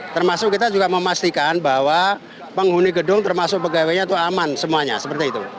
termasuk kita juga memastikan bahwa penghuni gedung termasuk pegawainya itu aman semuanya seperti itu